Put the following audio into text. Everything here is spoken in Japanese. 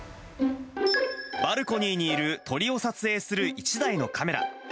バルコニーにいる鳥を撮影する一台のカメラ。